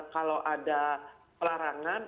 kalau ada pelarangan